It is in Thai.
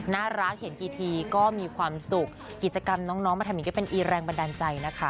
รักเห็นกี่ทีก็มีความสุขกิจกรรมน้องมาทำอย่างนี้ก็เป็นอีแรงบันดาลใจนะคะ